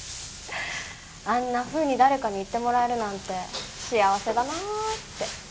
あんなふうに誰かに言ってもらえるなんて幸せだなぁって。